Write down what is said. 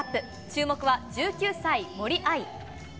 注目は１９歳、森秋彩。